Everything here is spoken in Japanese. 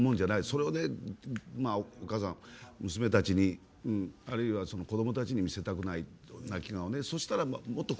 それを、お母さん娘たちにあるいは子どもたちに見せたくない泣き顔をね。